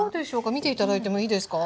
見て頂いてもいいですか？